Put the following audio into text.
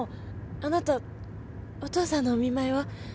あなたお父さんのお見舞いは？